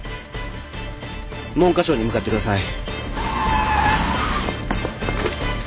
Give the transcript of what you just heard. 文科省に向かってください。